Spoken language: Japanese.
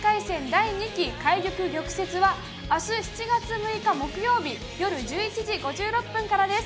第２期「懐玉・玉折」は明日７月６日木曜日よる１１時５６分からです。